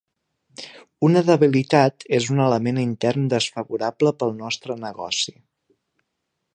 Una debilitat és un element intern desfavorable pel nostre negoci.